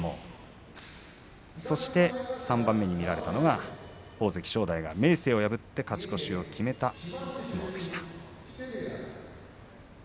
そして３番目が大関正代が明生を破って勝ち越しを決めた一番でした。